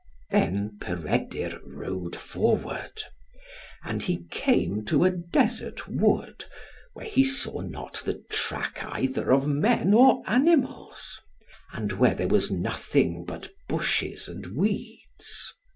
Then Peredur rode forward. And he came to a desert wood, where he saw not the track either of men or animals, and where there was nothing but bushes and weeds.